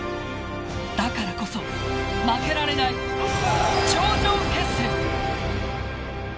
だからこそ負けられない頂上決戦。